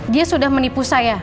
dia sudah menipu saya